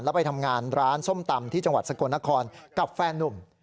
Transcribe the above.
แล้วไปทำงานร้านส้มตำที่จังหวัดสกลนครกับแฟนนุ่ม